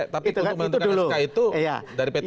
tapi untuk menentukan sk itu dari pt un